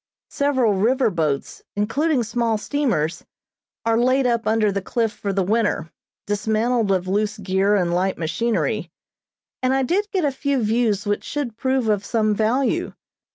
Several river boats, including small steamers, are laid up under the cliff for the winter, dismantled of loose gear and light machinery, and I did get a few views which should prove of some value.